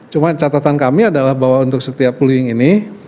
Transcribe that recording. cuma catatan kami adalah bahwa untuk setiap bullying ini